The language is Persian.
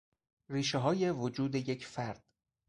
ریشههای وجود یک فرد